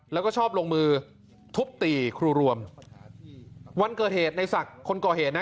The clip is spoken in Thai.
แล้วก็ชอบลงมือทุบตีครูรวมวันเกิดเหตุในศักดิ์คนก่อเหตุนะ